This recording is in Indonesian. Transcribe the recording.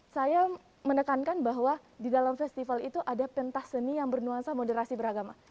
saya menekankan bahwa di dalam festival itu ada pentas seni yang bernuansa moderasi beragama